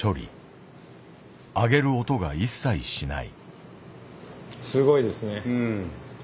揚げる音が一切しない。